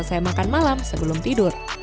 dan selesai makan malam sebelum tidur